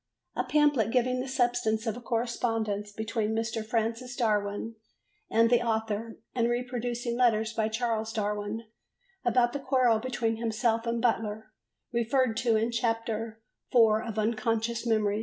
A pamphlet giving the substance of a correspondence between Mr. Francis Darwin and the author and reproducing letters by Charles Darwin about the quarrel between himself and Butler referred to in Chapter IV of Unconscious Memory.